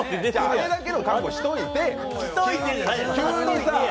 あれだけの格好しといて、急にさぁ。